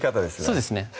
そうですね